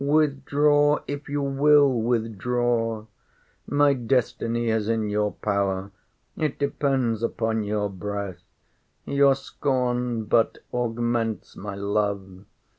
—Withdraw, if you will withdraw! My destiny is in your power!—It depends upon your breath!—Your scorn but augments my love!